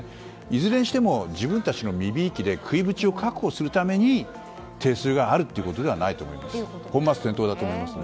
いずれにしても自分たちの身びいきで食い扶持を確保するために定数があるということではないと思います。